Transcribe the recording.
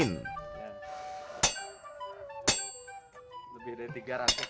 bukan mengenai orang lain